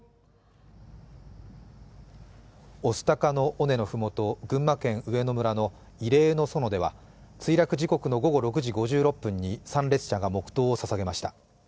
御巣鷹の尾根の麓群馬県上野村の慰霊の園では、墜落時刻の午後６時５６分に参列者が黙とうをささげました。